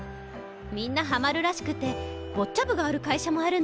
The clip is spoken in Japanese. みんなハマるらしくてボッチャ部がある会社もあるんだって。